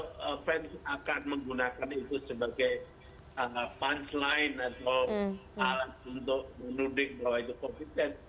justru kalau pence akan menggunakan itu sebagai punchline atau alat untuk menudik bahwa itu copycat